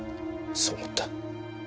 そう思った。